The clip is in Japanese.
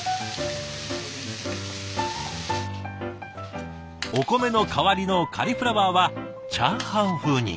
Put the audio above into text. お米の代わりのカリフラワーはチャーハン風に。